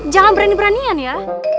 jangan berani beranian ya